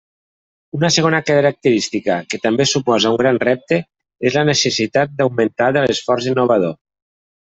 Una segona característica, que també suposa un gran repte, és la necessitat d'augmentar de l'esforç innovador.